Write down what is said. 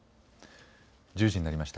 １０時になりました。